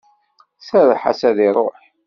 Serreḥ-as ad iruḥ!